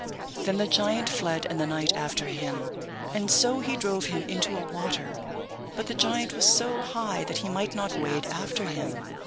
Then the giant fled and the knight after him, and so he drove him into a water, but the giant was so high that he might not wade after him.